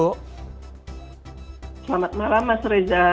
selamat malam mas reza